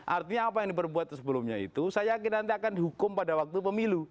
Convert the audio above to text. artinya apa yang diperbuat sebelumnya itu saya yakin nanti akan dihukum pada waktu pemilu